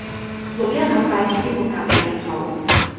淥一下筷子先好夾野入口